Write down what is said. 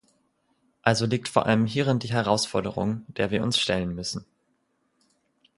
Also liegt vor allem hierin die Herausforderung, der wir uns stellen müssen.